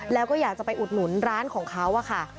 แล้วก็อยากจะไปอุดหนุนร้านของเขาอะค่ะ